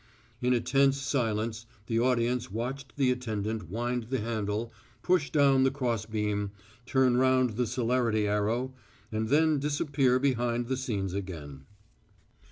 '" In a tense silence the audience watched the attendant wind the handle, push down the cross beam, turn round the celerity arrow, and then disappear behind the scenes again.